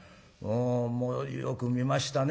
もうよく見ましたね。